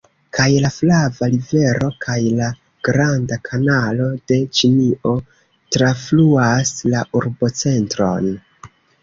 Kaj la Flava Rivero kaj la Granda Kanalo de Ĉinio trafluas la urbocentron.